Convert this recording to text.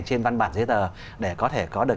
trên văn bản giấy tờ để có thể có được